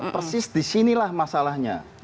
persis di sinilah masalahnya